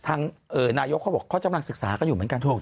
ทางนายกเขาบอกเขากำลังศึกษากันอยู่เหมือนกันถูก